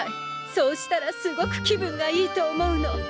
そうしたらすごく気分がいいと思うの。